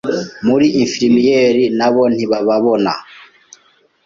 muri infirimiyeri nabo ntibababona.